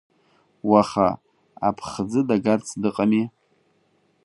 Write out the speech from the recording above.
Уаха аԥхӡы дагарц дыҟами…